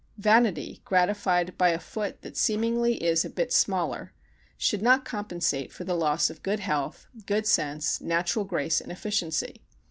Vanity, gratified by a foot that seemingly is a bit smaller, should not compensate for the loss of good health, good sense, natural grace and efficiency.